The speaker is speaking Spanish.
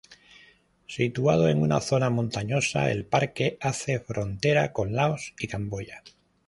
Situado en una zona montañosa, el parque hace frontera con Laos y Camboya.